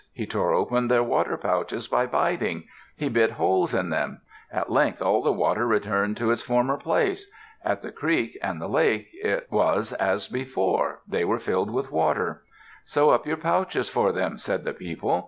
He tore open their water pouches by biting. He bit holes in them. At length all the water returned to its former place. At the creek and the lake it was as before; they were filled with water. "Sew up their pouches for them," said the people.